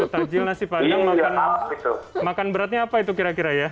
takjil nasi padang makan beratnya apa itu kira kira ya